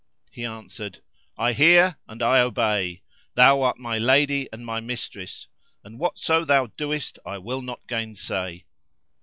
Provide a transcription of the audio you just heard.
He answered, "I hear and I obey!; thou art my lady and my mistress and whatso thou doest I will not gainsay."